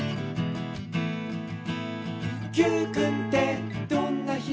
「Ｑくんってどんな人？